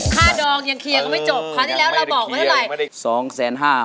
ค่าดองยังเคลียร์ก็ไม่จบคราวที่แล้วเราบอกว่าเท่าไร